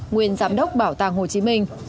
nguyên giám đốc bảo tàng hồ chí minh